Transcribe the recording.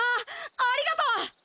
ありがとう！